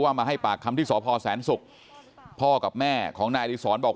มาให้ปากคำที่สพแสนศุกร์พ่อกับแม่ของนายอดีศรบอก